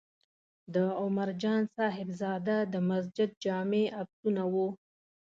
د عمر جان صاحبزاده د مسجد جامع عکسونه و.